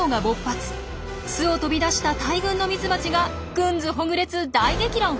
巣を飛び出した大群のミツバチがくんずほぐれつ大激論！